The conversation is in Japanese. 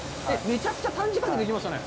めちゃくちゃ短時間でできましたね。